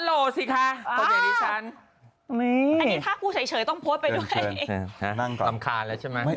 นี่ถ้ากลัวเฉยต้องโพสไปด้วยนั่งก่อนต่ำคราญแล้วใช่ไหม